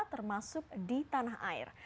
termasuk di tanah air